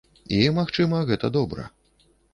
І, магчыма, гэта добра.